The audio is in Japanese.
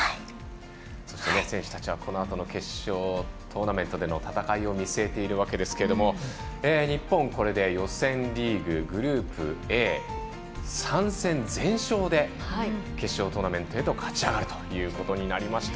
選手たちはこのあとの決勝トーナメントでの戦いを見据えているわけですけれども日本、これで予選リーググループＡ３戦全勝で決勝トーナメントに勝ち上がるということになりました。